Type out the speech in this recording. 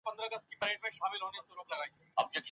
اعتیاد د ځوانانو ژوند خرابوي.